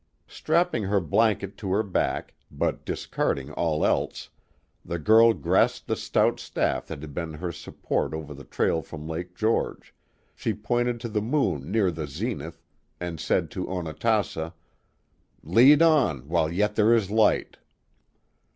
Strapping her blanket to her back, but discarding all else, the girl grasped the stout staff that had been her support over the trail from Lake George; she pointed to the moon near the zenith, and said to Onatassa: Lead on while yet there is light.